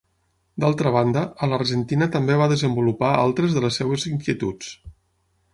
D'altra banda, a l'Argentina també va desenvolupar altres de les seves inquietuds.